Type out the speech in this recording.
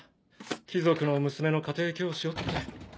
「貴族の娘の家庭教師を」って。